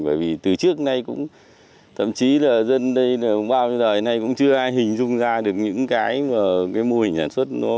bởi vì từ trước nay cũng thậm chí là dân đây là bao nhiêu giờ nay cũng chưa ai hình dung ra được những cái mà cái mô hình sản xuất nó